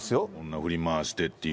振り回してっていう。